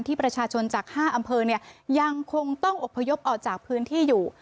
ประชาชนจาก๕อำเภอเนี่ยยังคงต้องอบพยพออกจากพื้นที่อยู่